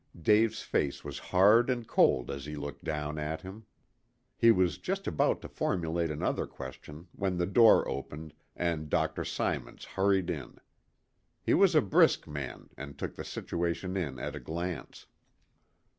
Dave's face was hard and cold as he looked down at him. He was just about to formulate another question, when the door opened and Dr. Symons hurried in. He was a brisk man, and took the situation in at a glance.